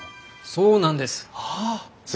そうなんです。